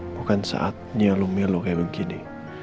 bukan saatnya lo miluh kayak begini